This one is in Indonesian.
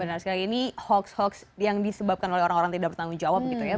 benar sekali ini hoax hoax yang disebabkan oleh orang orang tidak bertanggung jawab gitu ya